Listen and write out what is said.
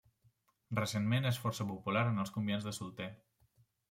Recentment és força popular en els comiats de solter.